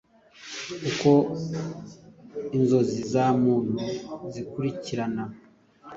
uko inzozi za muntu zikurikirana,